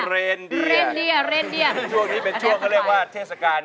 ถึงช่วงนี้เป็นเมื่อเรียกว่าเจษฐการ